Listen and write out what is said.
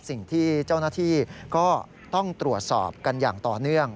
สิ่งที่เจ้าหน้าที่ก็ต้องตรวจสอบกันอย่างต่อเนื่อง